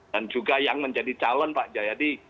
dan juga yang menjadi calon pak jayadi